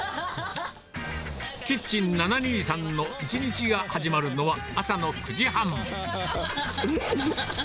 キッチン７２３の１日が始まるのは、朝の９時半。